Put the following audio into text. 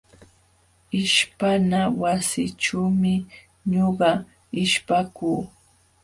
Ishpana wasićhuumi ñuqa ishpakuu.